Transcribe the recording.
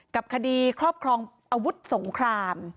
กับคดีครอบครองอาวุธสงคราม